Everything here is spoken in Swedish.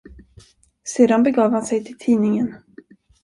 Sedan begav han sig till tidningen.